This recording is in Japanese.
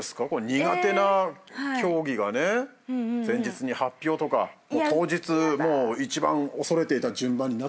苦手な競技が前日に発表とか当日一番恐れていた順番になったらとか。